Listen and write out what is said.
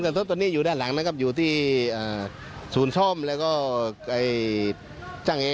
แล้วพื้นที่อาคารหรือว่าตรงไหนบ้างคะที่ได้รับผลประทบบ้างค่ะ